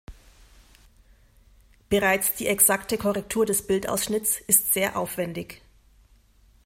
Bereits die exakte Korrektur des Bildausschnitts ist sehr aufwendig.